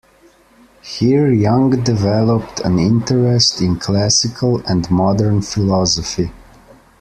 Here Young developed an interest in classical and modern philosophy.